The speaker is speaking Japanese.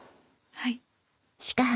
はい。